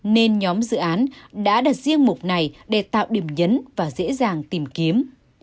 nên nhóm dự án đã đặt riêng mục này để tạo điểm nhấn và dễ dàng tìm kiếm